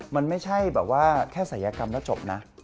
มันไม่ใช่แบบว่าแค่ศัยกรรมแล้วจบนะ